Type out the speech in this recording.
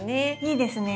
いいですね